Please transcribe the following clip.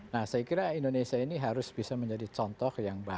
nah saya kira indonesia ini harus bisa menjadi contoh yang baik